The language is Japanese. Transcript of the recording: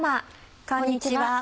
こんにちは。